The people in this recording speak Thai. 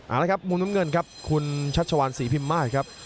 เอาละครับมุมน้ำเงินครับคุณชัชวานศรีพิมมาศครับ